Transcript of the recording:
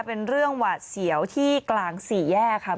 เป็นเรื่องหวาดเสียวที่กลางสี่แยกค่ะ